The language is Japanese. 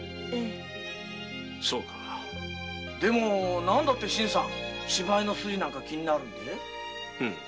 でも何だって新さん芝居の筋が気になるんです？